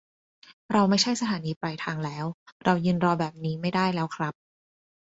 เราไม่ใช่สถานีปลายทางแล้ว เรายืนรอแบบนี้ไม่ได้แล้วครับ